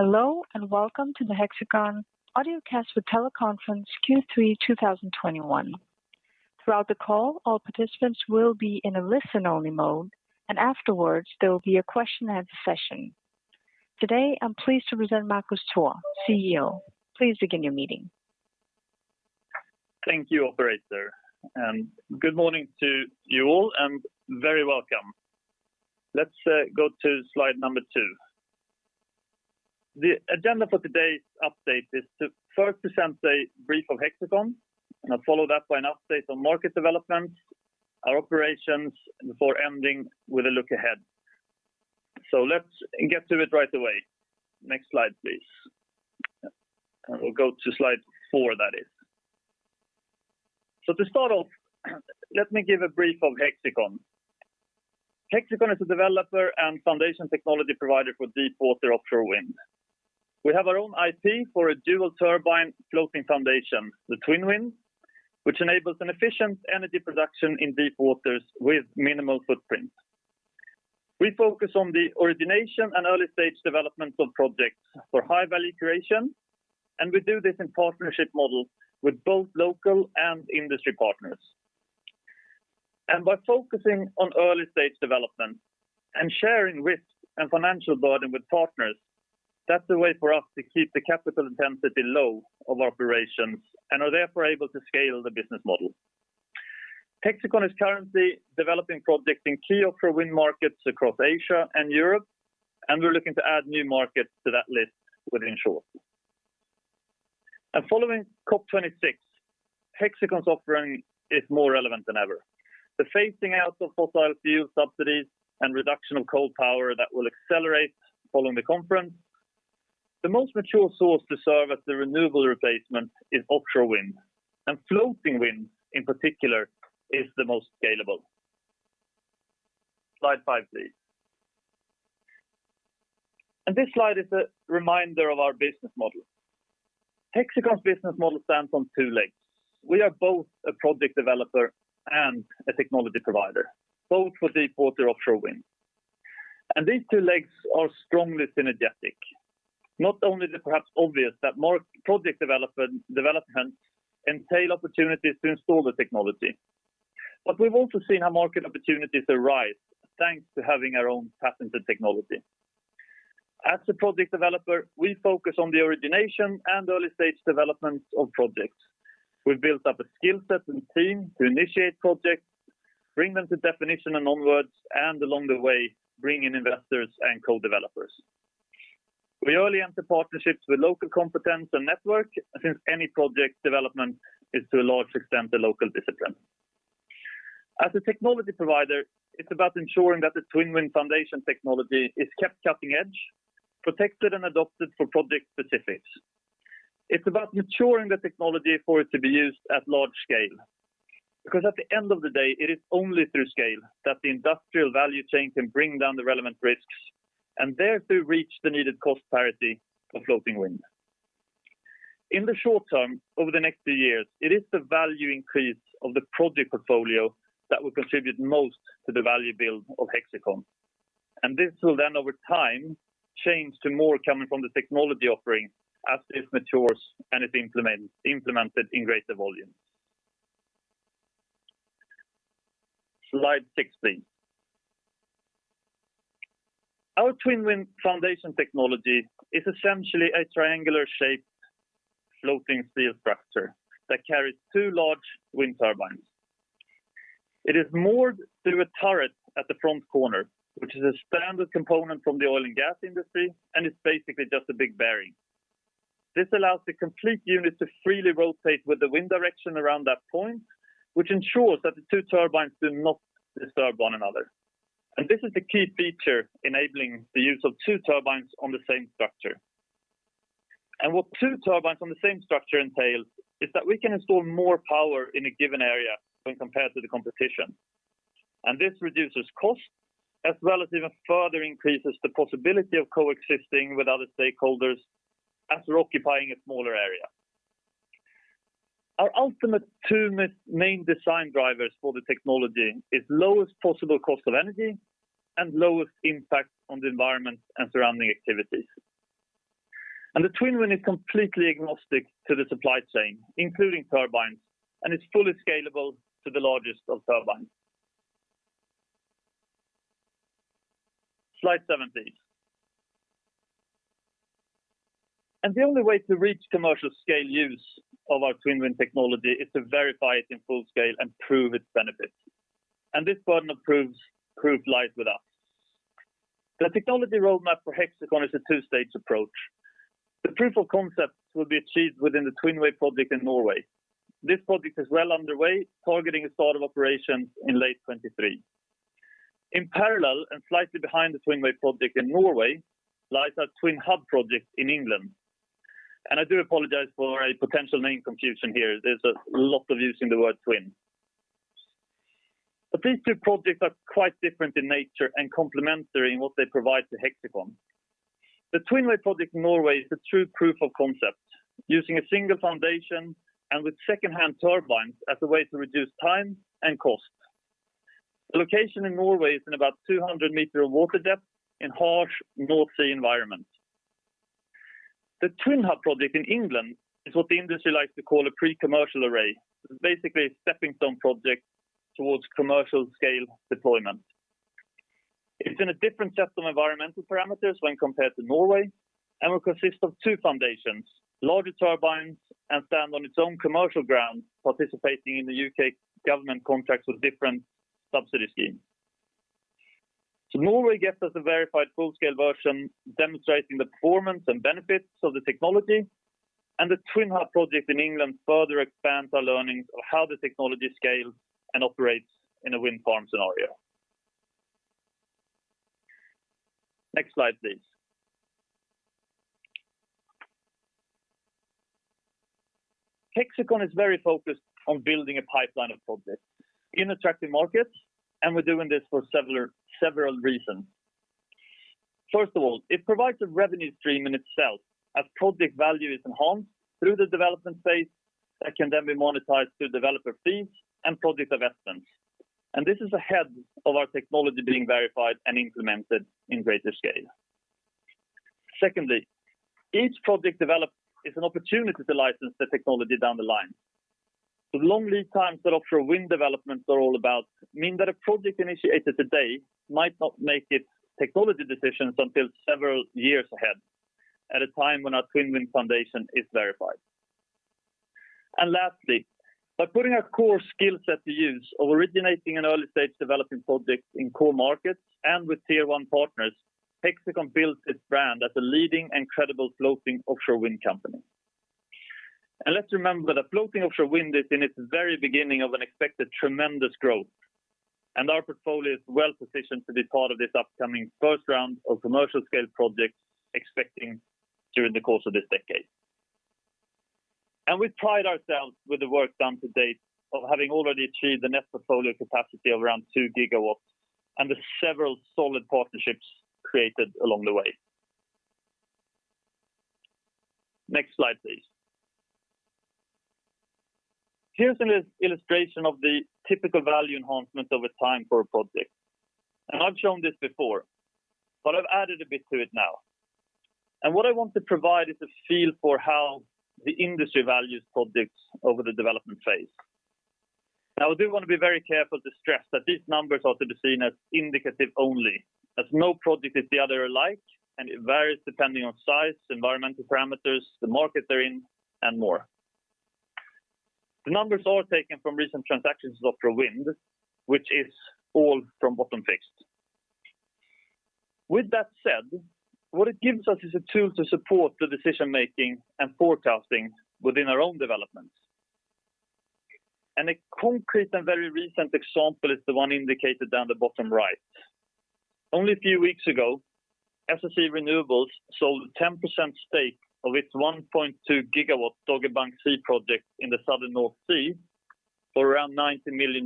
Hello, and welcome to the Hexicon audiocast for teleconference Q3 2021. Throughout the call, all participants will be in a listen-only mode, and afterwards, there will be a question and answer session. Today, I'm pleased to present Marcus Thor, CEO. Please begin your meeting. Thank you, operator. Good morning to you all, and very welcome. Let's go to slide number two. The agenda for today's update is to first present a brief of Hexicon, and I'll follow that by an update on market development, our operations, and before ending with a look ahead. Let's get to it right away. Next slide, please. We'll go to slide four, that is. To start off, let me give a brief of Hexicon. Hexicon is a developer and foundation technology provider for deepwater offshore wind. We have our own IP for a dual turbine floating foundation, the TwinWind, which enables an efficient energy production in deepwaters with minimal footprint. We focus on the origination and early stage development of projects for high value creation, and we do this in partnership model with both local and industry partners. By focusing on early stage development and sharing risk and financial burden with partners, that's a way for us to keep the capital intensity low for operations and are therefore able to scale the business model. Hexicon is currently developing projects in key offshore wind markets across Asia and Europe, and we're looking to add new markets to that list within short. Following COP26, Hexicon's offering is more relevant than ever. The phasing out of fossil fuel subsidies and reduction of coal power that will accelerate following the conference, the most mature source to serve as the renewable replacement is offshore wind, and floating wind, in particular, is the most scalable. Slide five, please. This slide is a reminder of our business model. Hexicon's business model stands on two legs. We are both a project developer and a technology provider, both for deepwater offshore wind. These two legs are strongly synergetic. Not only is it perhaps obvious that more Project Development entails opportunities to install the technology, but we've also seen how market opportunities arise, thanks to having our own patented technology. As a project developer, we focus on the origination and early stage development of projects. We've built up a skill set and team to initiate projects, bring them to definition and onwards, and along the way, bring in investors and co-developers. We early enter partnerships with local competence and network, since any Project Development is to a large extent a local discipline. As a technology provider, it's about ensuring that the TwinWind foundation technology is kept cutting edge, protected, and adopted for project specifics. It's about maturing the technology for it to be used at large scale. Because at the end of the day, it is only through scale that the industrial value chain can bring down the relevant risks, and thereto reach the needed cost parity of floating wind. In the short term, over the next two years, it is the value increase of the project portfolio that will contribute most to the value build of Hexicon. This will then over time change to more coming from the technology offering as it matures and is implemented in greater volume. Slide six, please. Our TwinWind foundation technology is essentially a triangular-shaped floating steel structure that carries two large wind turbines. It is moored through a turret at the front corner, which is a standard component from the oil and gas industry, and it's basically just a big bearing. This allows the complete unit to freely rotate with the wind direction around that point, which ensures that the two turbines do not disturb one another. This is the key feature enabling the use of two turbines on the same structure. What two turbines on the same structure entails is that we can install more power in a given area when compared to the competition. This reduces cost, as well as even further increases the possibility of coexisting with other stakeholders after occupying a smaller area. Our ultimate two main design drivers for the technology is lowest possible cost of energy and lowest impact on the environment and surrounding activities. The TwinWind is completely agnostic to the supply chain, including turbines, and it's fully scalable to the largest of turbines. Slide seven, please. The only way to reach commercial scale use of our TwinWind technology is to verify it in full scale and prove its benefits. This burden of proof lies with us. The technology roadmap for Hexicon is a two-stage approach. The proof of concept will be achieved within the TwinWay project in Norway. This project is well underway, targeting a start of operations in late 2023. In parallel and slightly behind the TwinWay project in Norway lies our TwinHub project in England. I do apologize for a potential name confusion here. There's a lot of use in the word twin. These two projects are quite different in nature and complementary in what they provide to Hexicon. The TwinWay project in Norway is the true proof of concept, using a single foundation and with secondhand turbines as a way to reduce time and cost. The location in Norway is in about 200 meters of water depth in harsh North Sea environment. The TwinHub project in England is what the industry likes to call a pre-commercial array. It's basically a stepping stone project towards commercial scale deployment. It's in a different set of environmental parameters when compared to Norway and will consist of two foundations, larger turbines and stand on its own commercial ground, participating in the U.K. government contracts with different subsidy schemes. Norway gets us a verified full-scale version demonstrating the performance and benefits of the technology, and the TwinHub project in England further expands our learnings of how the technology scales and operates in a wind farm scenario. Next slide, please. Hexicon is very focused on building a pipeline of projects in attractive markets, and we're doing this for several reasons. First of all, it provides a revenue stream in itself as project value is enhanced through the development phase that can then be monetized through developer fees and project investments. This is ahead of our technology being verified and implemented in greater scale. Secondly, each project developed is an opportunity to license the technology down the line. The long lead times that offshore wind developments are all about mean that a project initiated today might not make its technology decisions until several years ahead, at a time when our TwinWind foundation is verified. Lastly, by putting our core skill set to use of originating in early-stage development projects in core markets and with tier one partners, Hexicon builds its brand as a leading and credible floating offshore wind company. Let's remember that floating offshore wind is in its very beginning of an expected tremendous growth, and our portfolio is well-positioned to be part of this upcoming first round of commercial scale projects expecting during the course of this decade. We pride ourselves with the work done to date of having already achieved a net portfolio capacity of around 2 GW and with several solid partnerships created along the way. Next slide, please. Here's an illustration of the typical value enhancement over time for a project. I've shown this before, but I've added a bit to it now. What I want to provide is a feel for how the industry values projects over the development phase. Now, I do wanna be very careful to stress that these numbers are to be seen as indicative only, as no project is the other alike, and it varies depending on size, environmental parameters, the market they're in, and more. The numbers are taken from recent transactions of offshore wind, which is all from bottom fixed. With that said, what it gives us is a tool to support the decision-making and forecasting within our own developments. A concrete and very recent example is the one indicated down the bottom right. Only a few weeks ago, SSE Renewables sold a 10% stake of its 1.2 GW Dogger Bank C project in the southern North Sea for around $90 million.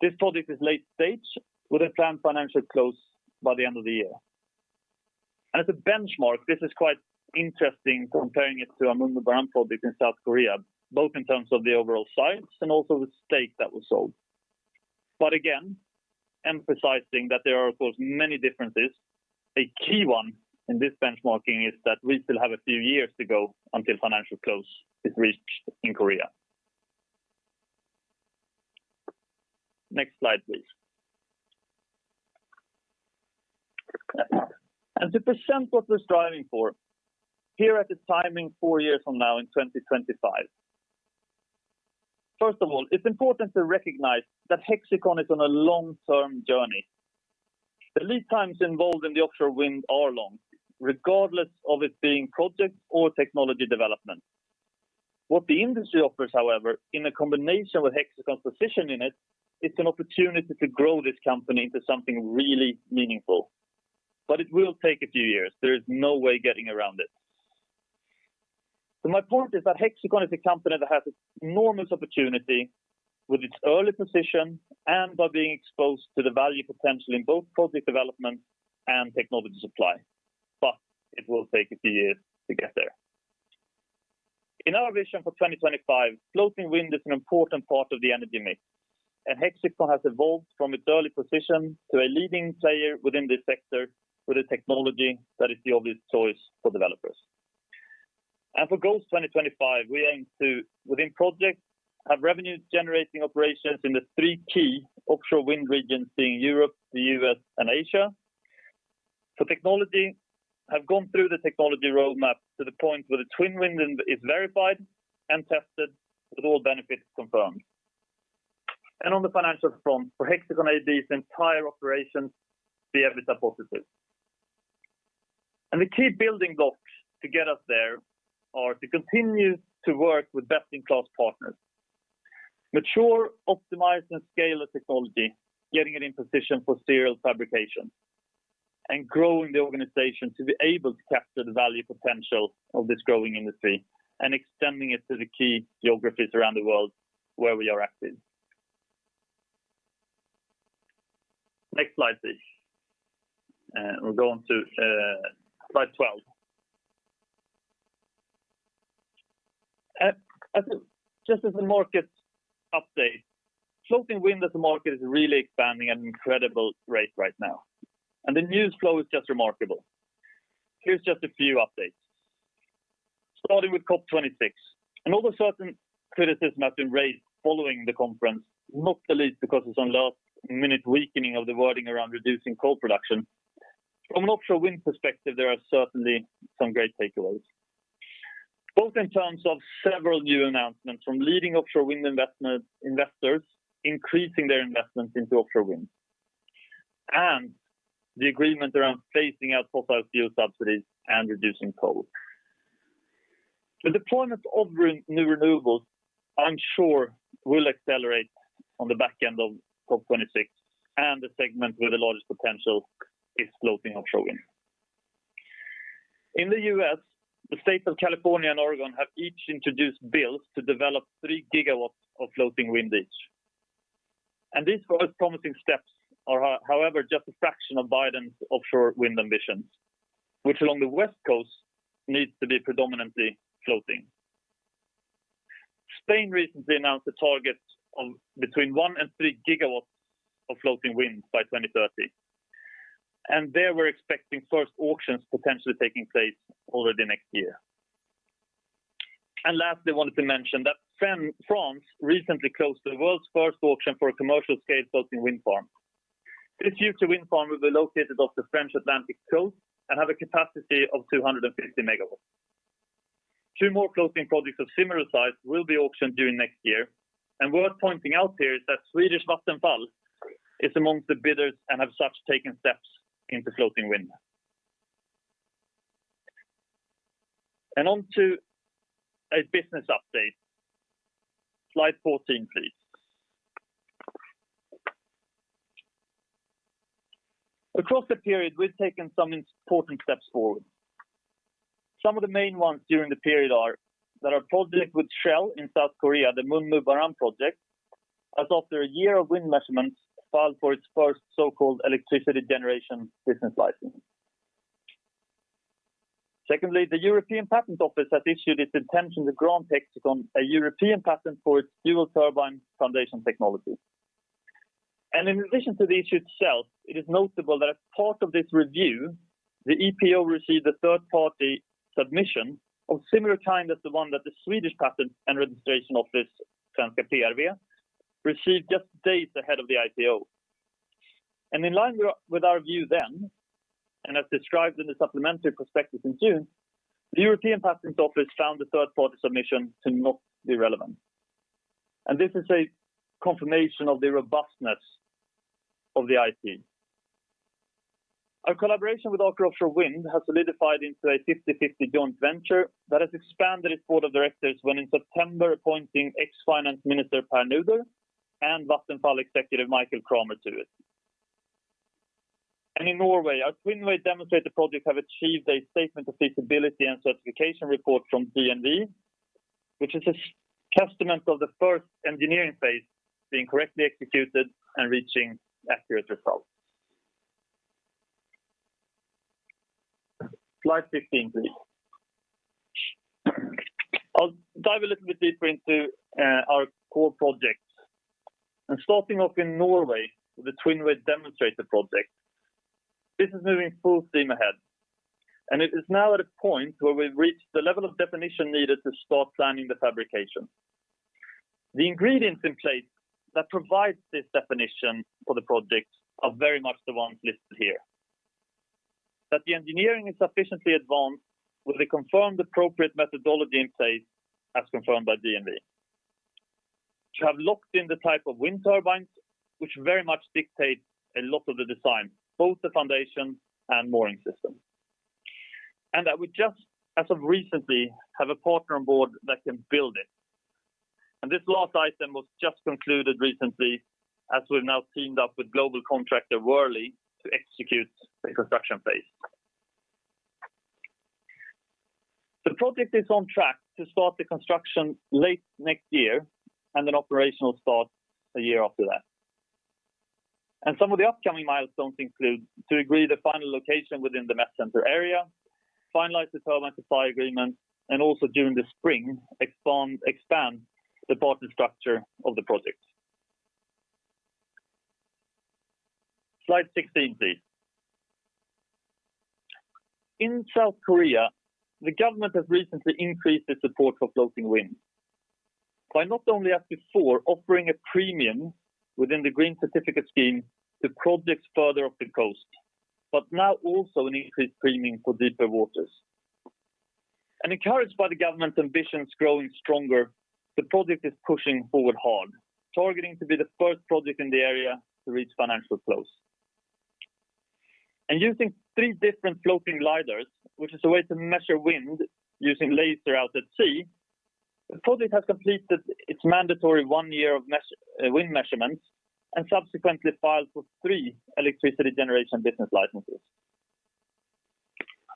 This project is late stage with a planned financial close by the end of the year. As a benchmark, this is quite interesting comparing it to a MunmuBaram project in South Korea, both in terms of the overall size and also the stake that was sold. Again, emphasizing that there are, of course, many differences. A key one in this benchmarking is that we still have a few years to go until financial close is reached in Korea. Next slide, please. To present what we're striving for, here is the timing four years from now in 2025. First of all, it's important to recognize that Hexicon is on a long-term journey. The lead times involved in the offshore wind are long, regardless of it being project or technology development. What the industry offers, however, in a combination with Hexicon's position in it, is an opportunity to grow this company into something really meaningful. It will take a few years. There's no way of getting around it. My point is that Hexicon is a company that has enormous opportunity with its early position and by being exposed to the value potential in both Project Development and technology supply. It will take a few years to get there. In our vision for 2025, floating wind is an important part of the energy mix, and Hexicon has evolved from its early position to a leading player within this sector with a technology that is the obvious choice for developers. For goals 2025, we aim to, within projects, have revenue-generating operations in the three key offshore wind regions, being Europe, the U.S., and Asia. For technology, we have gone through the technology roadmap to the point where the TwinWind is verified and tested with all benefits confirmed. On the financial front, for Hexicon AB's entire operations to be EBITDA positive. The key building blocks to get us there are to continue to work with best-in-class partners, mature, optimize, and scale the technology, getting it in position for serial fabrication, and growing the organization to be able to capture the value potential of this growing industry and extending it to the key geographies around the world where we are active. Next slide, please. We'll go on to slide twelve. As a market update, floating wind as a market is really expanding at an incredible rate right now, and the news flow is just remarkable. Here's just a few updates. Starting with COP26, although certain criticism has been raised following the conference, not the least because of some last-minute weakening of the wording around reducing coal production, from an offshore wind perspective, there are certainly some great takeaways, both in terms of several new announcements from leading offshore wind investors increasing their investments into offshore wind and the agreement around phasing out fossil fuel subsidies and reducing coal. The deployment of renewables, I'm sure will accelerate on the back end of COP26, and the segment with the largest potential is floating offshore wind. In the U.S., the State of California and Oregon have each introduced bills to develop 3 GW of floating wind each. These first promising steps are, however, just a fraction of Biden's offshore wind ambitions, which along the West Coast needs to be predominantly floating. Spain recently announced a target of between 1 GW and 3 GW of floating wind by 2030, and there we're expecting first auctions potentially taking place already next year. Lastly, I wanted to mention that France recently closed the world's first auction for a commercial scale floating wind farm. This future wind farm will be located off the French Atlantic coast and have a capacity of 250 MW. Two more floating projects of similar size will be auctioned during next year. Worth pointing out here is that Swedish Vattenfall is amongst the bidders and have subsequently taken steps into floating wind. On to a business update. Slide 14, please. Across the period, we've taken some important steps forward. Some of the main ones during the period are that our project with Shell in South Korea, the MunmuBaram project, has after a year of wind measurements, filed for its first so-called Electricity Business License. Secondly, the European Patent Office has issued its intention to grant Hexicon a European patent for its dual turbine foundation technology. In addition to the issue itself, it is notable that as part of this review, the EPO received a third-party submission of similar kind as the one that the Swedish Patent and Registration Office, Svenska PRV, received just days ahead of the IPO. In line with our view then, and as described in the supplementary prospectus in June, the European Patent Office found the third-party submission to not be relevant. This is a confirmation of the robustness of the IP. Our collaboration with Aker Offshore Wind has solidified into a 50/50 joint venture that has expanded its Board of Directors when in September appointing ex-finance minister Pär Nuder and Vattenfall executive Mikael Kramer to it. In Norway, our TwinWay demonstrator project have achieved a statement of feasibility and certification report from DNV, which is a testament of the first engineering phase being correctly executed and reaching accurate results. Slide 15, please. I'll dive a little bit deeper into our core projects. Starting off in Norway with the TwinWay demonstrator project. This is moving full steam ahead, and it is now at a point where we've reached the level of definition needed to start planning the fabrication. The ingredients in place that provide this definition for the project are very much the ones listed here. That the engineering is sufficiently advanced with a confirmed appropriate methodology in place, as confirmed by DNV. To have locked in the type of wind turbines, which very much dictate a lot of the design, both the foundation and mooring system. That we just, as of recently, have a partner on board that can build it. This last item was just concluded recently as we've now teamed up with global contractor Worley to execute the construction phase. The project is on track to start the construction late next year and an operational start a year after that. Some of the upcoming milestones include to agree the final location within the METCentre area, finalize the turbine supply agreement, and also during the spring, expand the partner structure of the project. Slide 16, please. In South Korea, the government has recently increased its support for floating wind by not only, as before, offering a premium within the green certificate scheme to projects further up the coast, but now also an increased premium for deeper waters. Encouraged by the government's ambitions growing stronger, the project is pushing forward hard, targeting to be the first project in the area to reach financial close. Using three different floating lidars, which is a way to measure wind using laser out at sea, the project has completed its mandatory one year of wind measurements and subsequently filed for three electricity generation business licenses.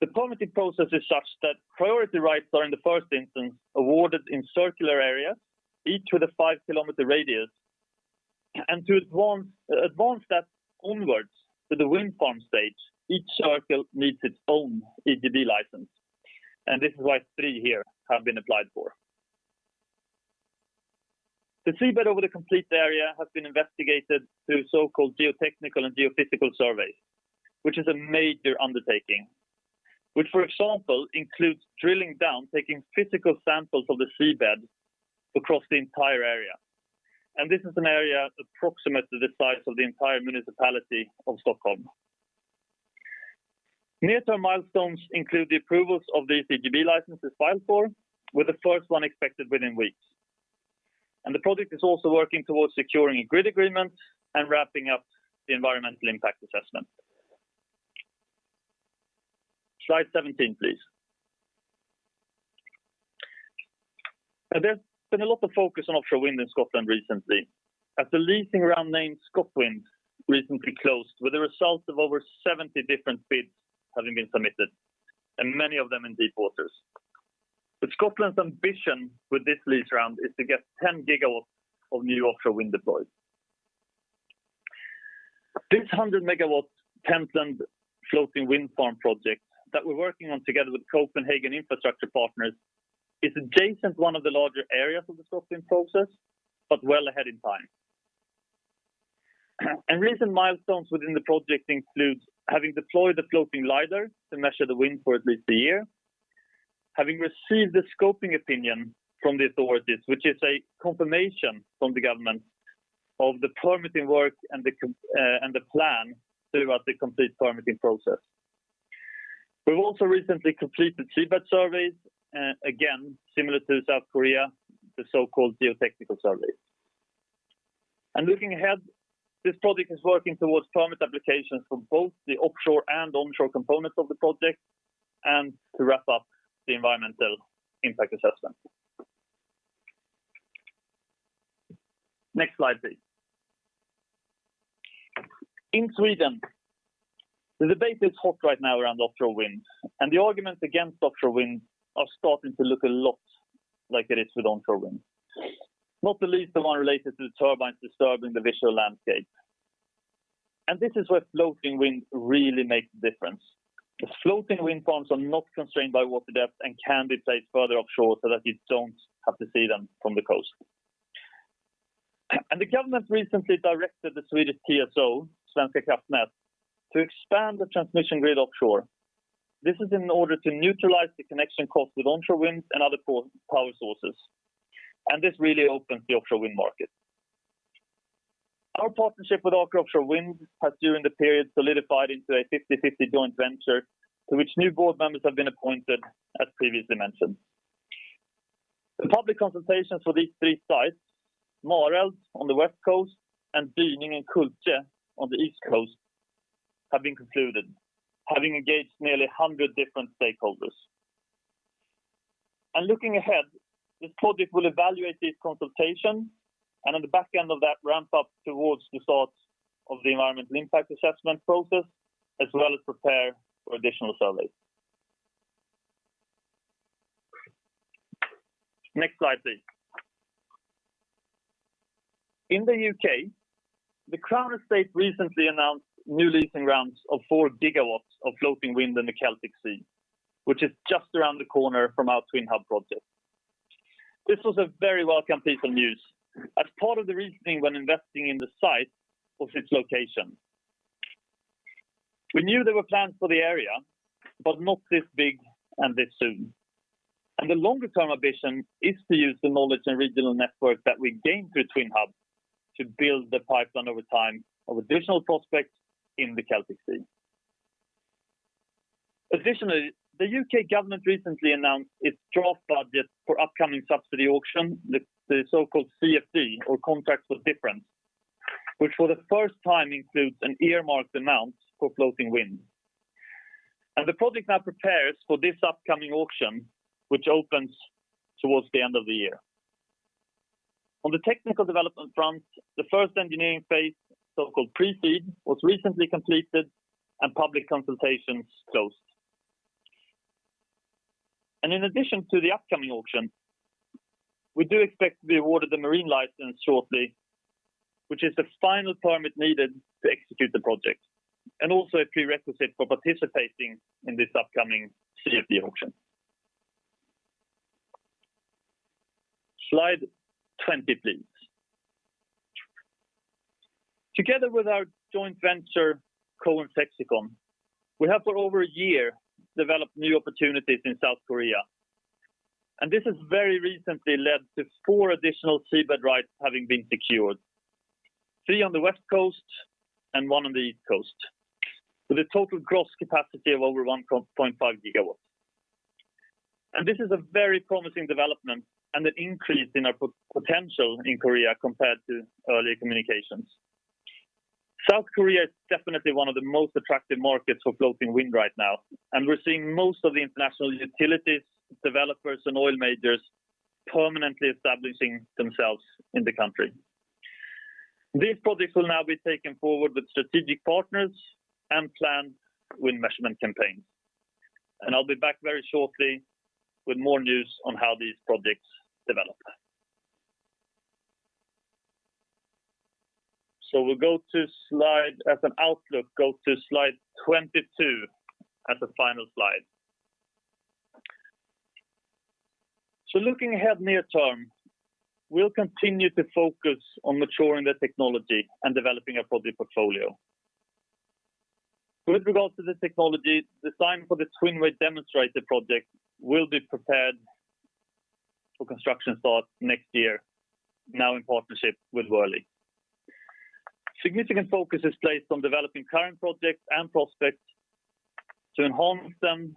The permitting process is such that priority rights are in the first instance awarded in circular areas, each with a 5 km radius. To advance that onwards to the wind farm stage, each circle needs its own EBL license. This is why three here have been applied for. The seabed over the complete area has been investigated through so-called geotechnical and geophysical surveys, which is a major undertaking, which, for example, includes drilling down, taking physical samples of the seabed across the entire area. This is an area approximate to the size of the entire municipality of Stockholm. Near-term milestones include the approvals of the EDB licenses filed for, with the first one expected within weeks. The project is also working towards securing a grid agreement and wrapping up the environmental impact assessment. Slide 17, please. There's been a lot of focus on offshore wind in Scotland recently, as the leasing round named ScotWind recently closed with a result of over 70 different bids having been submitted, and many of them in deep waters. Scotland's ambition with this lease round is to get 10 GW of new offshore wind deployed. This 100 MW Pentland floating wind farm project that we're working on together with Copenhagen Infrastructure Partners is adjacent to one of the larger areas of the [complete permitting] process, but well ahead in time. Recent milestones within the project includes having deployed the floating lidar to measure the wind for at least a year, having received the scoping opinion from the authorities, which is a confirmation from the government of the permitting work and the plan throughout the complete permitting process. We've also recently completed seabed surveys, again, similar to South Korea, the so-called geotechnical surveys. Looking ahead, this project is working towards permit applications for both the offshore and onshore components of the project, and to wrap up the environmental impact assessment. Next slide, please. In Sweden, the debate is hot right now around offshore wind, and the arguments against offshore wind are starting to look a lot like it is with onshore wind. Not the least of one related to the turbines disturbing the visual landscape. This is where floating wind really makes a difference. The floating wind farms are not constrained by water depth and can be placed further offshore so that you don't have to see them from the coast. The government recently directed the Swedish TSO, Svenska kraftnät, to expand the transmission grid offshore. This is in order to neutralize the connection cost with onshore winds and other power sources. This really opens the offshore wind market. Our partnership with Aker Offshore Wind has during the period solidified into a 50/50 joint venture to which new board members have been appointed, as previously mentioned. The public consultations for these three sites, Mareld on the West Coast and Dyning and Kultje on the East Coast, have been concluded, having engaged nearly 100 different stakeholders. Looking ahead, this project will evaluate this consultation, and on the back end of that, ramp up towards the start of the environmental impact assessment process, as well as prepare for additional surveys. Next slide, please. In the U.K., The Crown Estate recently announced new leasing rounds of 4 GW of floating wind in the Celtic Sea, which is just around the corner from our TwinHub project. This was a very welcome piece of news, as part of the reasoning when investing in the site was its location. We knew there were plans for the area, but not this big and this soon. The longer-term ambition is to use the knowledge and regional network that we gained through TwinHub to build the pipeline over time of additional prospects in the Celtic Sea. Additionally, the U.K. government recently announced its draft budget for upcoming subsidy auction, the so-called CfD, or Contracts for Difference, which for the first time includes an earmarked amount for floating wind. The project now prepares for this upcoming auction, which opens towards the end of the year. On the technical development front, the first engineering phase, so-called pre-FEED, was recently completed and public consultations closed. In addition to the upcoming auction, we do expect to be awarded the marine license shortly, which is the final permit needed to execute the project, and also a prerequisite for participating in this upcoming CfD auction. Slide 20, please. Together with our joint venture, CoensHexicon, we have for over a year developed new opportunities in South Korea. This has very recently led to four additional seabed rights having been secured, three on the West Coast and one on the East Coast, with a total gross capacity of over 1.5 GW. This is a very promising development and an increase in our potential in Korea compared to earlier communications. South Korea is definitely one of the most attractive markets for floating wind right now, and we're seeing most of the international utilities, developers, and oil majors permanently establishing themselves in the country. These projects will now be taken forward with strategic partners and planned wind measurement campaigns. I'll be back very shortly with more news on how these projects develop. We'll go to slide 21 as an outlook, go to slide 22 as the final slide. Looking ahead near term, we'll continue to focus on maturing the technology and developing a project portfolio. With regards to the technology design for the TwinWay demonstrator project will be prepared for construction start next year, now in partnership with Worley. Significant focus is placed on developing current projects and prospects to enhance them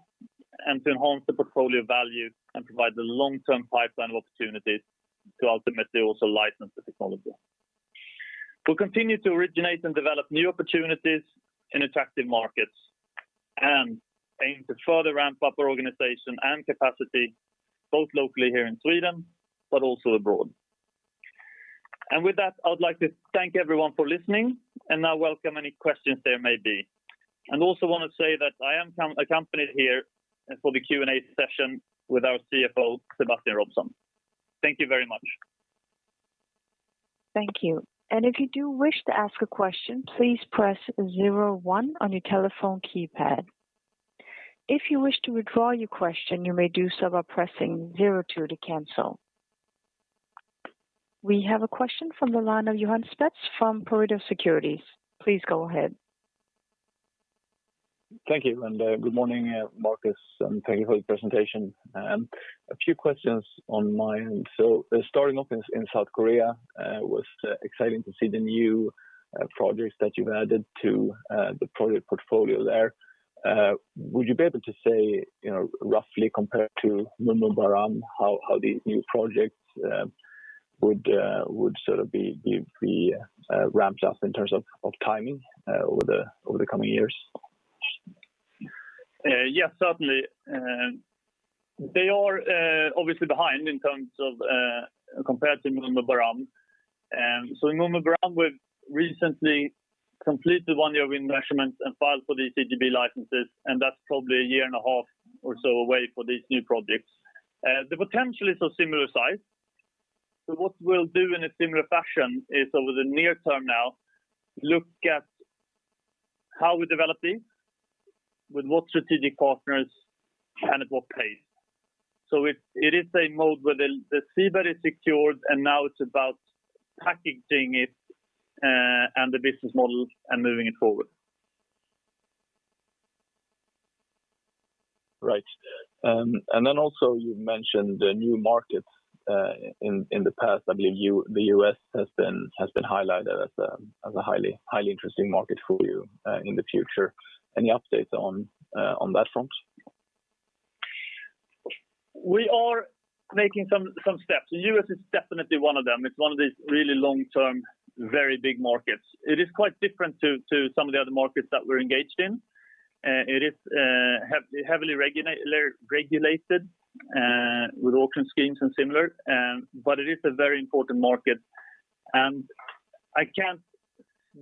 and to enhance the portfolio value and provide the long-term pipeline of opportunities to ultimately also license the technology. We'll continue to originate and develop new opportunities in attractive markets and aim to further ramp up our organization and capacity, both locally here in Sweden but also abroad. With that, I would like to thank everyone for listening and now welcome any questions there may be. Also want to say that I am accompanied here for the Q&A session with our CFO, Sebastian Robson. Thank you very much. We have a question from the line of Johan Spetz from Pareto Securities. Please go ahead. Thank you, and good morning, Marcus, and thank you for the presentation. A few questions on my end. Starting off in South Korea was exciting to see the new projects that you've added to the project portfolio there. Would you be able to say, you know, roughly compared to MunmuBaram, how the new projects would sort of be ramped up in terms of timing over the coming years? Yes, certainly. They are obviously behind in terms of compared to MunmuBaram. In MunmuBaram, we've recently completed one year of wind measurements and filed for these EBL licenses, and that's probably a year and a half or so away for these new projects. The potential is of similar size. What we'll do in a similar fashion is over the near term now look at how we develop these, with what strategic partners, and at what pace. It is a mode where the seabed is secured, and now it's about packaging it and the business model and moving it forward. Right. Then also you've mentioned the new markets in the past. I believe the U.S. has been highlighted as a highly interesting market for you in the future. Any updates on that front? We are making some steps. The U.S. is definitely one of them. It's one of these really long-term, very big markets. It is quite different to some of the other markets that we're engaged in. It is heavily regulated with auction schemes and similar, but it is a very important market. I can't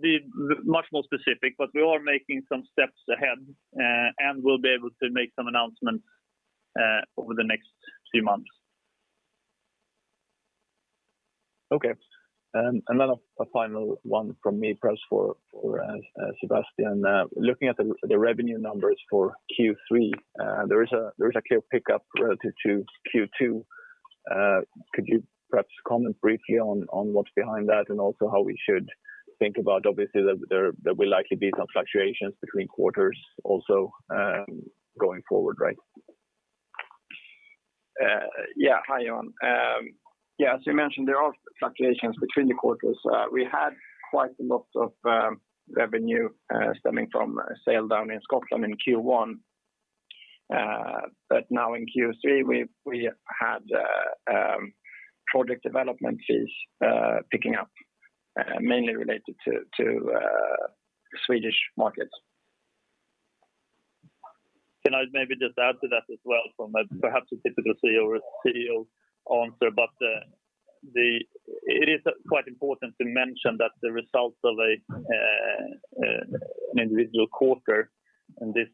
be much more specific, but we are making some steps ahead, and we'll be able to make some announcements over the next few months. Okay. A final one from me, perhaps for Sebastian. Looking at the revenue numbers for Q3, there is a clear pickup relative to Q2. Could you perhaps comment briefly on what's behind that and also how we should think about obviously there will likely be some fluctuations between quarters also going forward, right? Hi, Johan. As you mentioned, there are fluctuations between the quarters. We had quite a lot of revenue stemming from sale down in Scotland in Q1. Now in Q3, we had Project Development fees picking up mainly related to Swedish markets. Can I maybe just add to that as well from perhaps a typical CEO answer? It is quite important to mention that the results of an individual quarter in this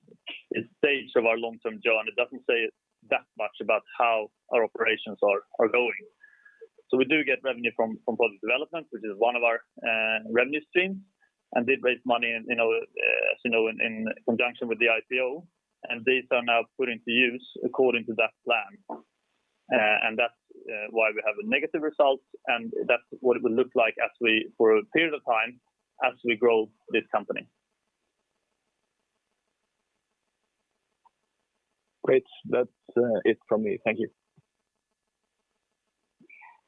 stage of our long-term journey doesn't say that much about how our operations are going. We do get revenue from Project Development, which is one of our revenue streams, and did raise money, you know, as you know, in conjunction with the IPO, and these are now put into use according to that plan. That's why we have a negative result, and that's what it will look like as we, for a period of time, as we grow this company. Great. That's it from me. Thank you.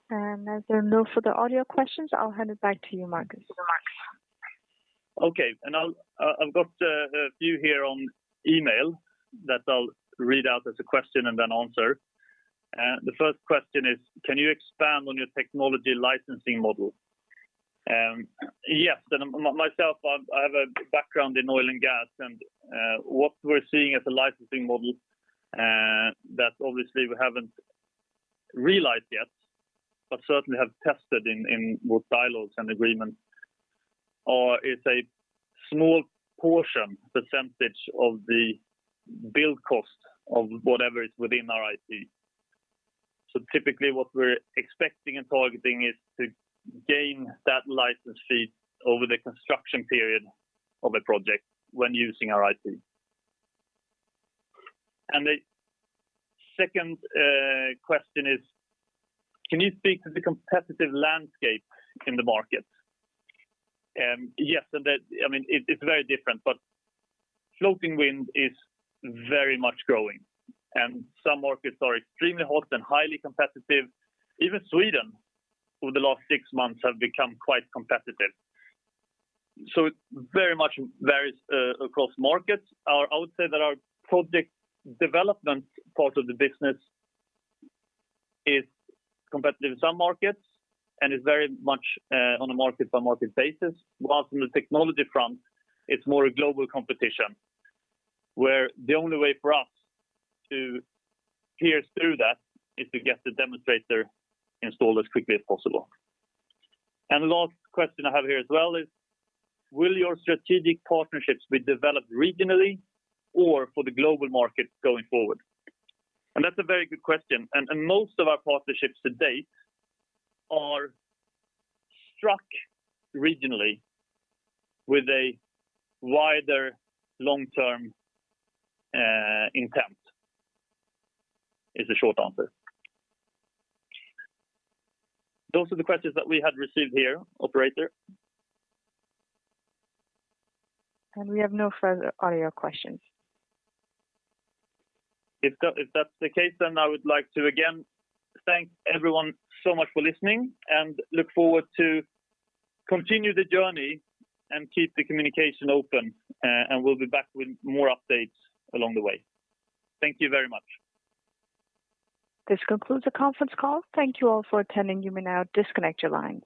As there are no further audio questions, I'll hand it back to you, Marcus. Okay. I'll have a few here on email that I'll read out as a question and then answer. The first question is, can you expand on your technology licensing model? Yes. Myself, I have a background in oil and gas, and what we're seeing as a licensing model that obviously we haven't realized yet, but certainly have tested in both dialogues and agreements or it's a small portion percentage of the build cost of whatever is within our IP. So typically what we're expecting and targeting is to gain that license fee over the construction period of a project when using our IP. The second question is, can you speak to the competitive landscape in the market? Yes, I mean, it's very different, but floating wind is very much growing, and some markets are extremely hot and highly competitive. Even Sweden over the last six months have become quite competitive. It very much varies across markets. I would say that our Project Development part of the business is competitive in some markets and is very much on a market by market basis, while from the technology front, it's more a global competition, where the only way for us to pierce through that is to get the demonstrator installed as quickly as possible. The last question I have here as well is, will your strategic partnerships be developed regionally or for the global market going forward? That's a very good question. Most of our partnerships to date are struck regionally with a wider long-term intent is the short answer. Those are the questions that we had received here, operator. We have no further audio questions. If that's the case, then I would like to again thank everyone so much for listening and look forward to continue the journey and keep the communication open. We'll be back with more updates along the way. Thank you very much. This concludes the conference call. Thank you all for attending. You may now disconnect your lines.